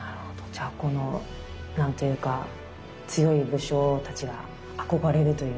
じゃあこの何て言うか強い武将たちが憧れるというか。